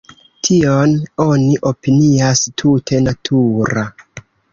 Tion oni opinias tute natura.